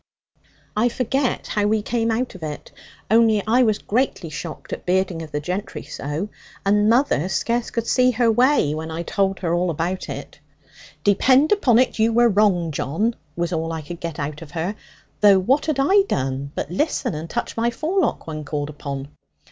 I forget how we came out of it, only I was greatly shocked at bearding of the gentry so, and mother scarce could see her way, when I told her all about it. 'Depend upon it you were wrong, John,' was all I could get out of her; though what had I done but listen, and touch my forelock, when called upon.